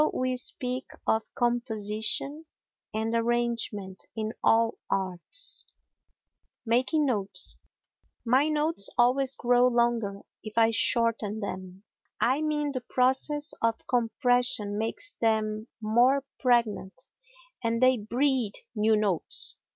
So we speak of composition and arrangement in all arts. Making Notes My notes always grow longer if I shorten them. I mean the process of compression makes them more pregnant and they breed new notes.